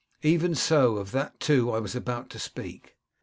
'Even so; of that, too, I was about to speak.